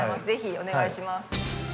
ぜひお願いします